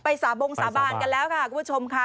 สาบงสาบานกันแล้วค่ะคุณผู้ชมค่ะ